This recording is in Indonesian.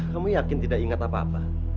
kami yakin tidak ingat apa apa